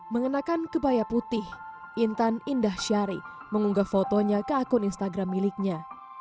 mengenakan kebaya putih intan indah syari mengunggah fotonya ke akun instagram miliknya